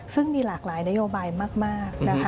ซึ่งมีหลากหลายนโยบายมากนะคะ